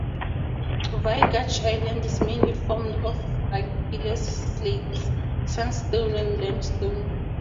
Vaygach Island is mainly formed of argillaceous slates, sandstone, and limestone.